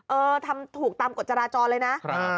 เออทำถูกตามกฎจราจรเลยนะ